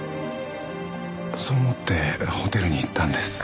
そう思ってホテルに行ったんです。